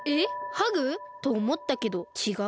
ハグ！？とおもったけどちがう？